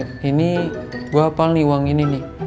nah kalau ini gue apal nih uang ini nih